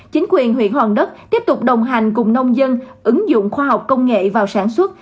chính quyền huyện hòn đất tiếp tục đồng hành cùng nông dân ứng dụng khoa học công nghệ vào sản xuất